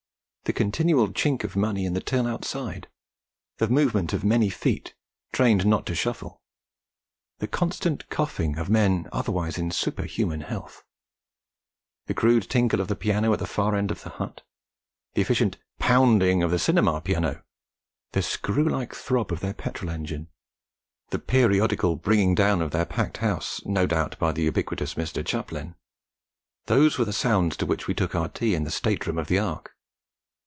The continual chink of money in the till outside; the movement of many feet, trained not to shuffle; the constant coughing of men otherwise in superhuman health; the crude tinkle of the piano at the far end of the hut the efficient pounding of the cinema piano the screw like throb of their petrol engine the periodical bringing down of their packed house, no doubt by the ubiquitous Mr. Chaplin! Those were the sounds to which we took our tea in the state room of the Ark.